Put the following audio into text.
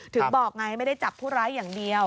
ถึงบอกไงไม่ได้จับผู้ร้ายอย่างเดียว